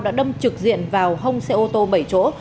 đã đâm trực diện vào hông xe ô tô bảy chỗ